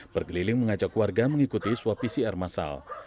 berkeliling mengajak warga mengikuti swab pcr masal